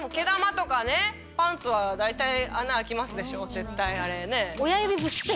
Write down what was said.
絶対あれね。